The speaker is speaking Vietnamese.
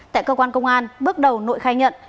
tại cơ quan công an bước đầu nội khai nhận